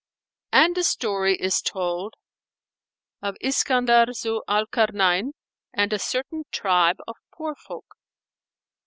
And a story is told of ISKANDAR ZU AL KARNAYN[FN#460] AND A CERTAIN TRIBE OF POOR FOLK.